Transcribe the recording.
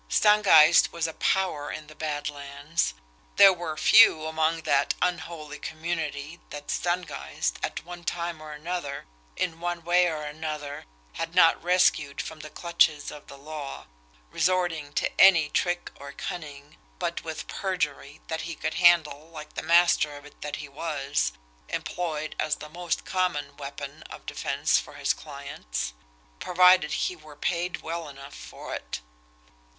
Stangeist was a power in the Bad Lands. There were few among that unholy community that Stangeist, at one time or another, in one way or another, had not rescued from the clutches of the law, resorting to any trick or cunning, but with perjury, that he could handle like the master of it that he was, employed as the most common weapon of defence for his clients provided he were paid well enough for it.